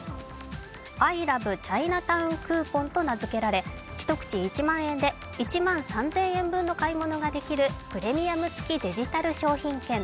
アイラブチャイナタウンクーポンと名づけられ、１口１万円で１万３０００円分の買い物ができるプレミアム付きデジタル商品券。